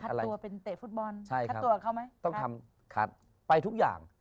ตัวเป็นเตะฟุตบอลใช่คัดตัวกับเขาไหมต้องทำคัดไปทุกอย่าง